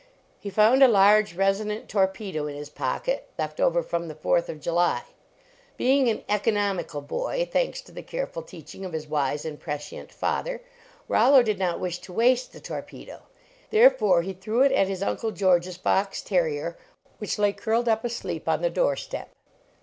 He found a large, resonant torpedo in his pocket, left over from the Fourth of July. Being an economical boy thanks to the careful teach ing of his wise and prescient father Rollo did not wish to waste the torpedo. There fore he threw it at his Uncle George s fox ter rier, which lay curled up asleep on the door step.